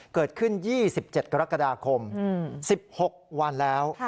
เกิดขึ้น๒๗กรกฎาคม๑๖วันแล้ว